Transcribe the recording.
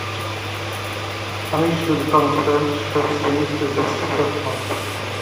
A lista de palestrantes especialistas é super forte